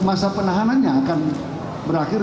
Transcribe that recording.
masa penahanannya akan berakhir